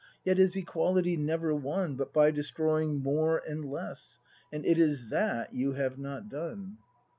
Yet is Equality never won But by destroying More and Less,— And it is that you have not done!